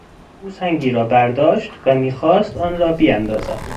او سنگی را برداشت و میخواست آن را بیندازد.